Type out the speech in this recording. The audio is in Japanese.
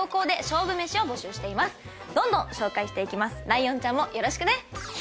ライオンちゃんもよろしくね。